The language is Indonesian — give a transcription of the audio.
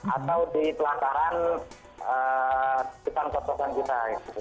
atau di pelantaran depan kotokan kita